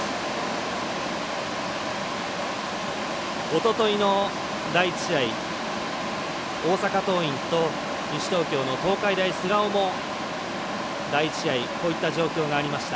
おとといの第１試合大阪桐蔭と西東京の東海大菅生も第１試合、こういった状況がありました。